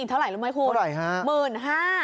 อีกเท่าไหร่รึไหมคุณเมื่นห้า